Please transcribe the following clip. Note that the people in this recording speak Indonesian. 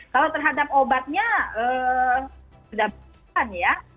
kalau terhadap obatnya sudah bukan ya